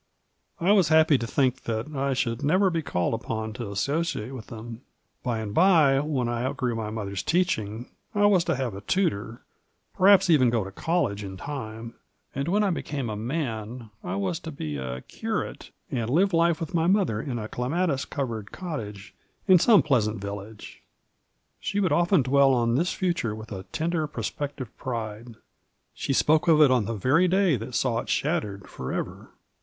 I was happy to think that I should never be called upon to associate with them ; by and by, when I out grew my mother^s teaching, I was to have a tutor, per haps even go to college in time, and when I became a man I was to be a curate and live with my mother in a clematis covered cottage in some pleasant village. She would often dwell on this future with a tender prospective pride : she spoke of it on the very day that saw it shattered forever.